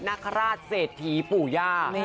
นคราชเศรษฐีปู่ย่า